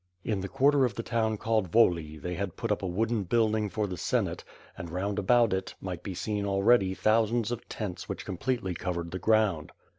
In the quarter of the town called Woli they had put up a wooden building for the Senate and round about it, might be seen already thousands of tents which completely covered the ground.